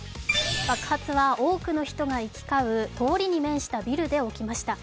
爆発は多くの人が行き交う通りに面したビルで起きました。